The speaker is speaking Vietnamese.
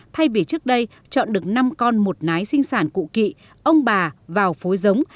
thay vì trước đây chọn được năm con một nái sinh sản cụ kỵ ông bà vào phối giống